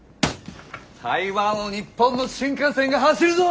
台湾を日本の新幹線が走るぞ！